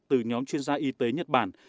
từ nhóm chuyên gia y tế nhật bản